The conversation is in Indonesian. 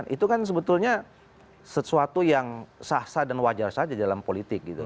itu kan sebetulnya sesuatu yang sah sah dan wajar saja dalam politik gitu